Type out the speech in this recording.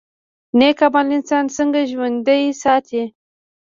نیک عمل انسان څنګه ژوندی ساتي؟